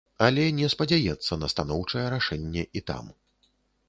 Але не спадзяецца на станоўчае рашэнне і там.